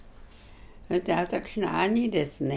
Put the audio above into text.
そして私の兄ですね。